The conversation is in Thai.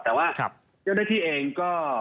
แต่ว่าเจ้าหน้าที่เองก็